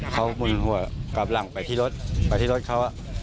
เขาบูนหัวกลับหลังไปที่รถเขา